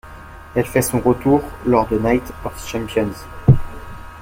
Elle fait son retour lors de Night of Champions.